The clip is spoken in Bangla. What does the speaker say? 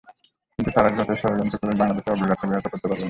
কিন্তু তারা যতই ষড়যন্ত্র করুক, বাংলাদেশের অগ্রযাত্রা ব্যাহত করতে পারবে না।